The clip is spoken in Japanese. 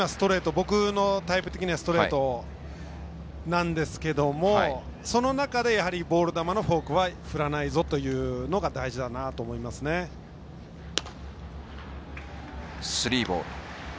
僕のタイプ的にはストレートなんですけれどもその中でやはりボール球のフォークは振らないぞというのがスリーボール。